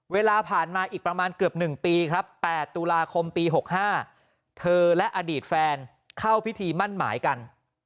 เวลาผ่านมาอีกประมาณเกือบ๑ปีครับ๘ตุลาคมปี๖๕เธอและอดีตแฟนเข้าพิธีมั่นหมายกัน